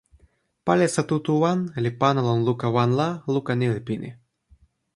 palisa tu tu wan li pana lon luka wan la, luka ni li pini.